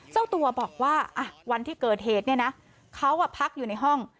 เจ้าตัวบอกว่าวันที่เกิดเหตุเนี่ยนะเขาพักอยู่ในห้อง